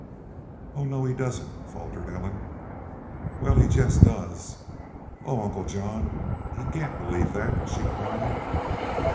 "Oh no he doesn't!" faltered Ellen. "Wal, he jest does." "Oh, Uncle John, he cain't believe that!" she cried.